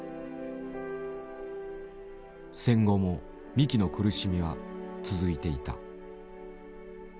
戦後も三木の苦しみは続いていた。